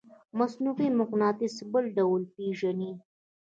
مصنوعي مقناطیس بل ډول پیژنئ؟